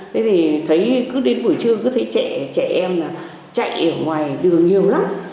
thế thì thấy cứ đến buổi trưa cứ thế trẻ em là chạy ở ngoài đường nhiều lắm